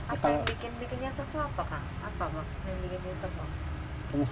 atau yang bikin dia sempurna apa kak apa yang bikin dia sempurna